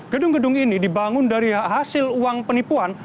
gedung gedung ini dibangun dari hasil uang penipuan